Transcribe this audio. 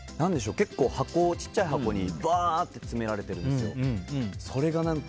ちっちゃい箱にバーッと詰められてるんですよ。